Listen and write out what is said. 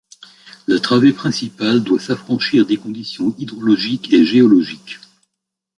La travée principale doit s’affranchir des conditions hydrologiques et géologiques.